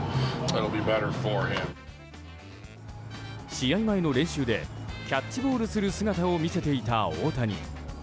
試合前の練習でキャッチボールをする姿を見せていた大谷。